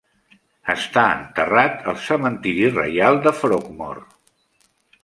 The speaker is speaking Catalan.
Està enterrat al cementiri reial de Frogmore.